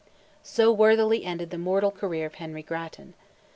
So worthily ended the mortal career of Henry Grattan.